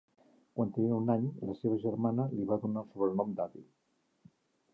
Quan tenia un any, la seva germana li va donar el sobrenom d'Avi.